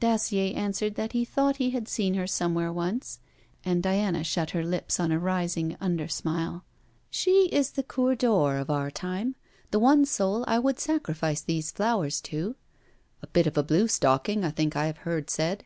Dacier answered that he thought he had seen her somewhere once, and Diana shut her lips on a rising under smile. 'She is the coeur d'or of our time; the one soul I would sacrifice these flowers to.' 'A bit of a blue stocking, I think I have heard said.'